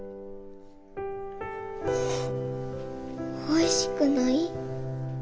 おいしくない？